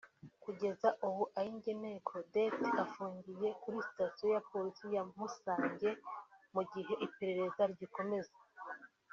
Kugeza ubu Ayingeneye Claudette afungiye kuri Station ya Polisi ya Musange mu gihe iperereza rigikomeza